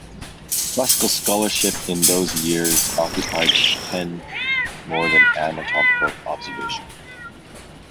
Classical scholarship in those years occupied his pen more than anatomical observation.